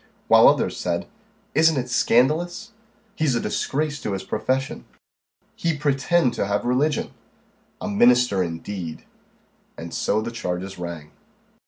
While others said "Isn't it scandalous!" "He's a disgrace to his profession!" "He pretend to have religion!" "A minister indeed!" And so the changes rang.